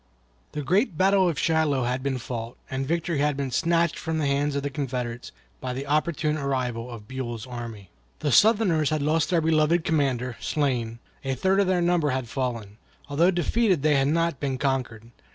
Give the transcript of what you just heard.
The great battle of Shiloh had been fought, and victory had been snatched from the hands of the Confederates by the opportune arrival of Buell's army. The Southerners had lost their beloved commander, slain; a third of their number had fallen. Although defeated they had not been conquered.